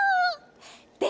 で